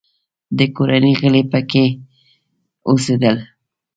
د کورنۍ غړي یې پکې اوسېدل.